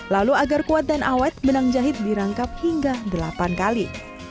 lalu agar kuat dan awet benang jahit dirangkap hingga delapan kali